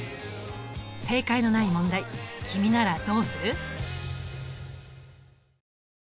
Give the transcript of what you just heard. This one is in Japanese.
正解のない問題君ならどうする？